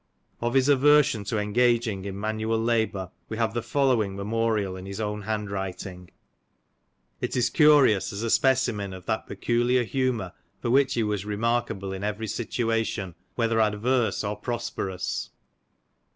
Of his aversion to engaging in manual labour we have the following memorial in his own hand writing; it is curious as a specimen of that peculiar humour for which he was remarkable in every situation whether adverse or prosperous.